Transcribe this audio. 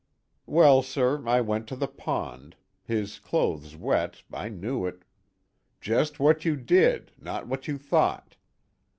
"Well, sir, I went to the pond. His clothes wet, I knew it " "Just what you did, not what you thought.